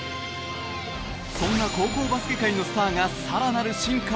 そんな高校バスケ界のスターがさらなる進化を遂げている。